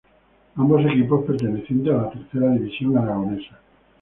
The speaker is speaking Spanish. Ambos equipos pertenecientes a la tercera división aragonesa.